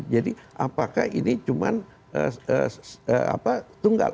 jadi apakah ini cuma tunggal